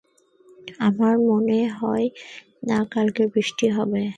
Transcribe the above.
আমার মনে হয় না কালকে বৃষ্টি হবে।